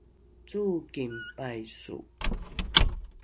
cooking paiso